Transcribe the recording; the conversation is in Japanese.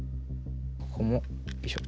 ここもよいしょ。